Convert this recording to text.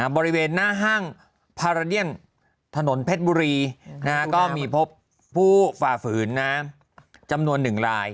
บริเวณหน้าห้างพาราเดียนถนนเพชรบุรีก็มีพบผู้ฝ่าฝืนนะจำนวน๑ราย